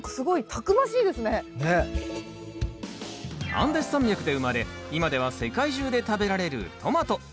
アンデス山脈で生まれ今では世界中で食べられるトマト。